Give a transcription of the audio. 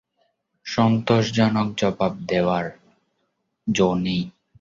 সন্তোষজনক জবাব দেবার জো নেই।